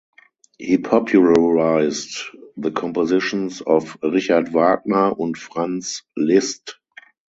He popularised the compositions of Richard Wagner and Franz Liszt.